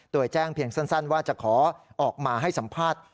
โดยแจ้งเพียงสั้นว่าจะขอออกมาให้สัมภาษณ์